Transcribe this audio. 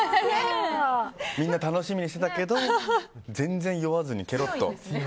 みんな楽しみにしてたけど全然酔わずにケロッと。